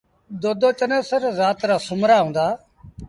دودو چنيسر زآت رآ سومرآ هُݩدآ۔